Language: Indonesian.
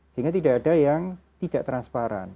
sehingga tidak ada yang tidak transparan